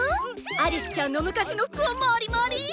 アリスちゃんの昔の服を盛り盛り！